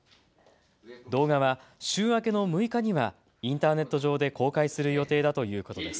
動画は週明けの６日にはインターネット上で公開する予定だということです。